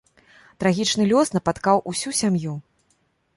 Трагічны лёс напаткаў усю сям'ю.